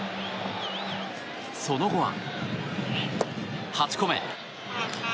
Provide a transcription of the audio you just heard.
その後は８個目。